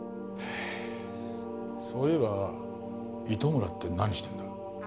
そういえば糸村って何してんだ？